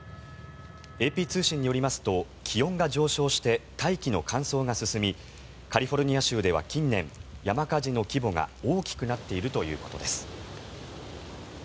ＡＰ通信によりますと気温が上昇して大気の乾燥が進みカリフォルニア州では近年山火事の規模が大きくなっているということです。